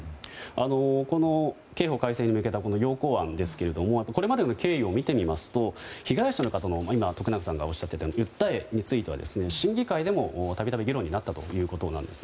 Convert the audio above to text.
この刑法改正に向けた要綱案ですがこれまでの経緯を見てみますと被害者の方の今、徳永さんがおっしゃっていたようにその訴えについては審議会でも、たびたび議論になったということです。